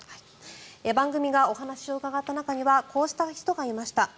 番組がお話を伺った中にはこうした人がいました。